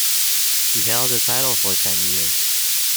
He held the title for ten years.